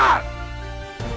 apa kalian tidak mendengar